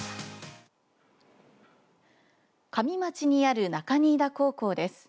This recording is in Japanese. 加美町にある中新田高校です。